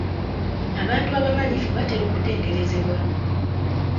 Abantu abamanyifu batera okutenderezebwa.